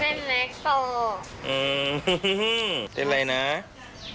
เอาเต็มเล็กตกไหม